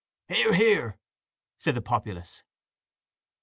'" "Hear, hear," said the populace.